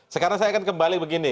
sekarang saya akan kembali begini